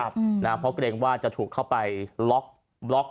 เพราะเกรงว่าจะถูกเข้าไปล็อกบล็อก